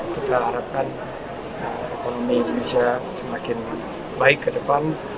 kita harapkan ekonomi indonesia semakin baik ke depan